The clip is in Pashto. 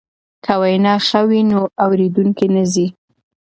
که وینا ښه وي نو اوریدونکی نه ځي.